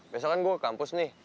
besok kan gue ke kampus nih